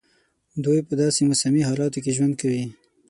دوی په داسي موسمي حالاتو کې ژوند کوي.